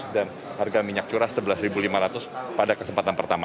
dan harga minyak curah rp sebelas lima ratus pada kesempatan pertama